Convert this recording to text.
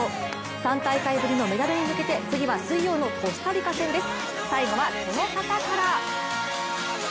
３大会ぶりのメダルへ向けて次は水曜のコスタリカ戦です。